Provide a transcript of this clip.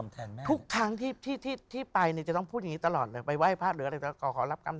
ทุกครั้งที่ไปไปไหว้พระเจ้าว่า